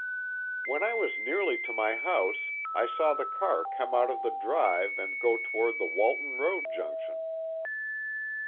"When I was nearly to my house, I saw the car come out of the drive and go toward the Walton Road junction."